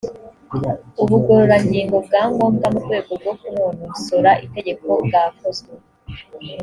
ubugororangingo bwa ngombwa mu rwego rwo kunonosora itegeko bwakozwe